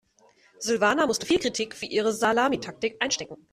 Silvana musste viel Kritik für ihre Salamitaktik einstecken.